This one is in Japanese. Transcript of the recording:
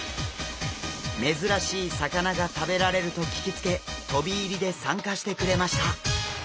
珍しい魚が食べられると聞きつけ飛び入りで参加してくれました。